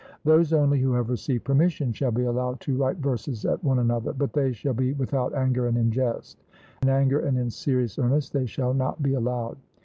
Those only who have received permission shall be allowed to write verses at one another, but they shall be without anger and in jest; in anger and in serious earnest they shall not be allowed.